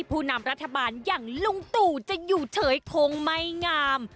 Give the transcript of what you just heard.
ผู้นำรัฐบาลอย่างลุงตู่จะอยู่เฉยคงไม่งาม